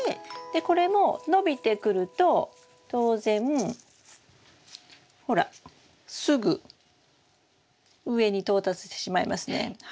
でこれも伸びてくると当然ほらすぐ上に到達してしまいますね。